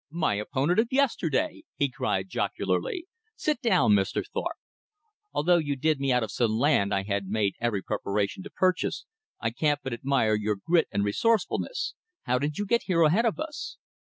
"My opponent of yesterday!" he cried jocularly. "Sit down, Mr. Thorpe! Although you did me out of some land I had made every preparation to purchase, I can't but admire your grit and resourcefulness. How did you get here ahead of us?"